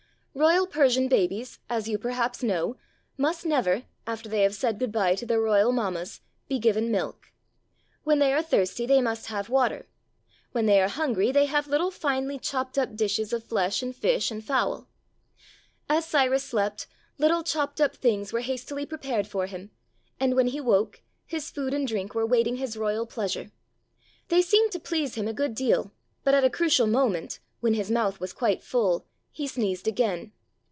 Royal Persian babies, as you perhaps know, must never, after they have said good bye to their royal mammas, be given milk. When they are thirsty they must have water; when they are hungry they have little finely chopped up dishes of flesh and fish and fowl. As Cyrus slept, little chopped up things were hastily prepared for him, and when he woke, his food 251 There Arose a King and drink were waiting his royal pleasure. They seemed to please him a good deal, but at a crucial moment, when his mouth was quite full, he sneezed again.